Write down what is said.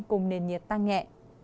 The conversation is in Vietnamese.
cùng nền nhiệt tăng nhẹ